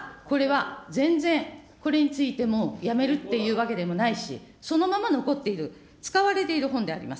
今、これは全然これについてもやめるっていうわけでもないし、そのまま残っている、使われている本であります。